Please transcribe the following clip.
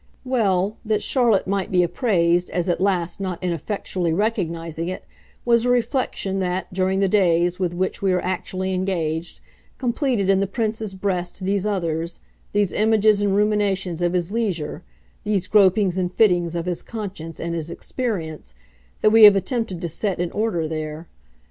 Well, that Charlotte might be appraised as at last not ineffectually recognising it, was a reflection that, during the days with which we are actually engaged, completed in the Prince's breast these others, these images and ruminations of his leisure, these gropings and fittings of his conscience and his experience, that we have attempted to set in order there.